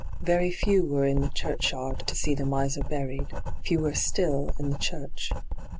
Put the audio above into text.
Very few were in the church yard to see the miser buried, fewer still in the church.